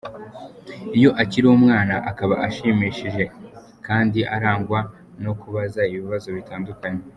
Iyo akiri umwana aba ashimishije kandi arangwa no kubaza ibibazo bitandukanye.